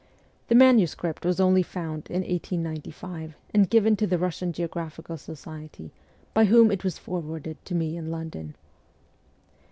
The manuscript was only found in 1895, and given to the Russian Geographical Society, by v whom it was for warded to me in London.